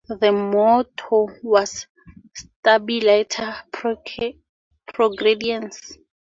The motto was "Stabiliter progrediens".